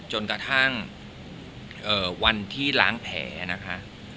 จนกระทั่งวันที่ล้างแผลนะคะ